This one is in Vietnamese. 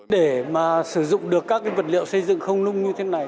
để mà sử dụng được các cái vật liệu xây dựng không nung như thế này